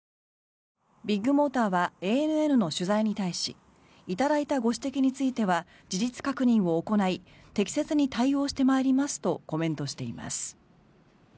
ビッグモーターはＡＮＮの取材に対し頂いたご指摘については事実確認を行い適切に対応してまいりますとコメントしています。